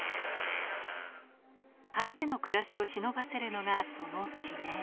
かつての暮らしをしのばせるのが、その地名。